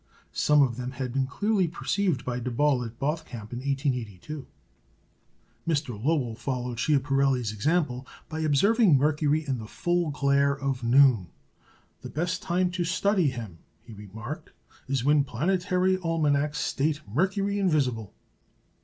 Some of them had been clearly perceived by De Ball at Bothkamp in 1882. Mr. Lowell followed Schiaparelli's example by observing Mercury in the full glare of noon. "The best time to study him," he remarked, "is when planetary almanacs state 'Mercury invisible.'"